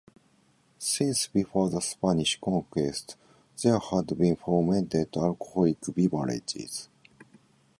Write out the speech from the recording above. Since before the Spanish conquest, there had been fermented alcoholic beverages.